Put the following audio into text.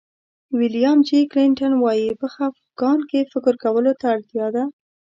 ویلیام جي کلنټن وایي په خفګان کې فکر کولو ته اړتیا ده.